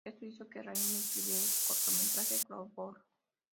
Esto hizo que Raimi escribiera el cortometraje "Clockwork".